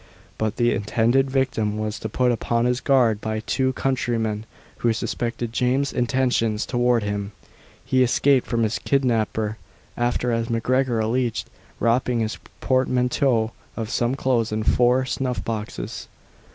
But the intended victim was put upon his guard by two countrymen, who suspected James's intentions towards him. He escaped from his kidnapper, after, as MacGregor alleged, robbing his portmanteau of some clothes and four snuff boxes.